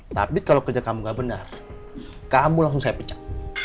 tapi kalau kerja kamu gak benar kamu langsung saya pecah